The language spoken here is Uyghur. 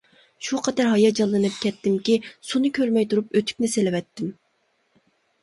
شۇ قەدەر ھاياجانلىنىپ كەتتىمكى، سۇنى كۆرمەي تۇرۇپ ئۆتۈكنى سېلىۋەتتىم.